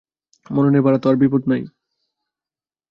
মরণের বাড়া তো আর বিপদ নাই!